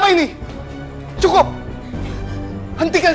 beraninya kamu peranjang